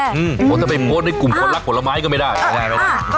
เพราะถ้าไปโพสต์ในกลุ่มคนรักผลไม้ก็ไม่ได้